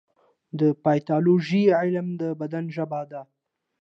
د پیتالوژي علم د بدن ژبه ده.